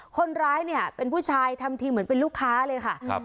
คนร้ายเนี่ยเป็นผู้ชายทำทีเหมือนเป็นลูกค้าเลยค่ะครับ